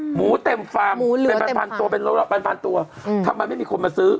หมูเต็มฟังหมูเหลือเต็มฟังเป็นพันธุ์ถ้ามันไม่มีคนมาซื้อ